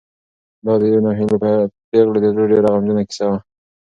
دا د یوې ناهیلې پېغلې د زړه ډېره غمجنه کیسه وه.